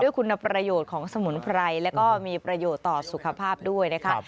คุณประโยชน์ของสมุนไพรแล้วก็มีประโยชน์ต่อสุขภาพด้วยนะคะ